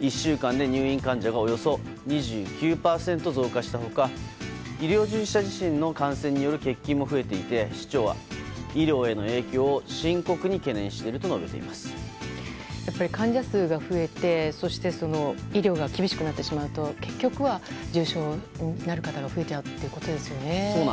１週間で入院患者がおよそ２９％増加した他医療従事者自身の感染による欠勤も増えていて市長は医療への影響を深刻に懸念していると患者数が増えて医療が厳しくなってしまうと結局は重症になる方が増えちゃうってことですよね。